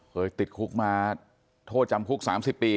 ติดคุกมาโทษจำคุก๓๐ปี